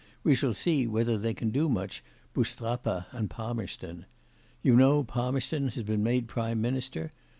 We shall see whether they can do much, Boustrapa and Palmerston. You know Palmerston has been made Prime Minister.